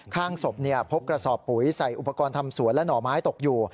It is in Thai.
ข้างศพพบกระสอบปุ๋ยใส่อุปกรณ์ทำสวนและหน่อไม้ตกอยู่